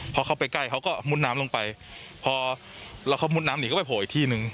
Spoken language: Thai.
พอเข้าไปใกล้เขาก็มุดน้ำลงไปพอแล้วเขามุดน้ำหนีก็ไปโผล่อีกที่นึง